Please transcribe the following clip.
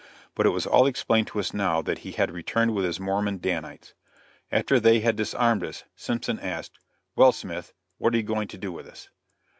But it was all explained to us now that he had returned with his Mormon Danites. After they had disarmed us, Simpson asked, "Well, Smith, what are you going to do with us?"